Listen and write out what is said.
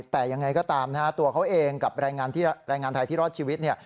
แต่ยังไงก็ตามตัวเขาเองกับรายงานไทยที่รอดชีวิต